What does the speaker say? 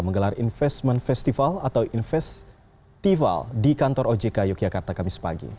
menggelar investment festival di kantor ojk yogyakarta kamis pagi